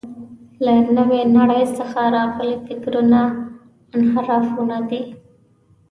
له نوې نړۍ څخه راغلي فکرونه انحرافونه دي.